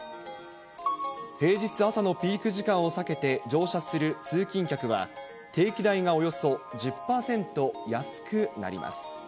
平日朝のピーク時間を避けて乗車する通勤客は、定期代がおよそ１０％安くなります。